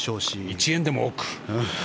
１円でも多く。